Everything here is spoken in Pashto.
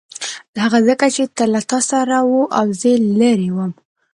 هغه ځکه چې تل له تا سره و او زه لیرې وم.